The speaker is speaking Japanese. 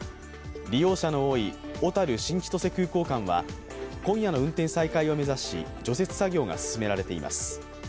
利用者の多い、小樽−新千歳空港間は今夜の運転再開を目指し除雪作業が進められています。